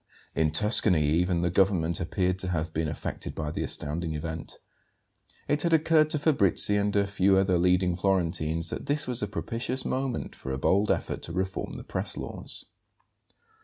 In Tuscany even the government appeared to have been affected by the astounding event. It had occurred to Fabrizi and a few other leading Florentines that this was a propitious moment for a bold effort to reform the press laws.